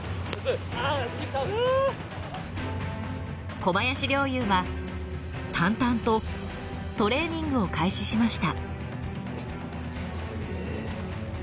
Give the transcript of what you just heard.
小林陵侑は淡々とトレーニングを開始しました。